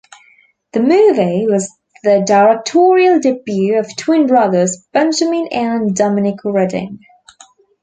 The movie was the directorial debut of twin brothers Benjamin and Dominik Reding.